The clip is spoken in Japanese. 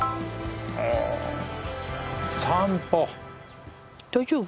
散歩大丈夫？